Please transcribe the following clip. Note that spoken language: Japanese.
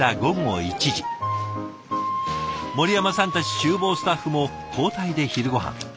森山さんたちちゅう房スタッフも交代で昼ごはん。